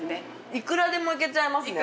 いくらでもいけちゃいますね。